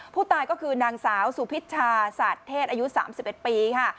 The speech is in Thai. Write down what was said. ผู้ตายก็คือนางสาวสุพิชชาศาสตร์เทศอายุ๓๑ปีค่ะ